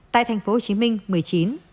tại thành phố hồ chí minh một mươi chín